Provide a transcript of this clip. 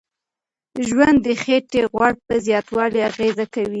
ژوند د خېټې غوړ په زیاتوالي اغیز کوي.